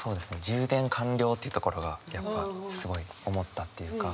「充電完了」っていうところがやっぱすごい思ったっていうか。